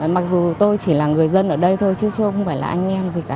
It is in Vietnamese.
mặc dù tôi chỉ là người dân ở đây thôi chứ chứ không phải là anh em gì cả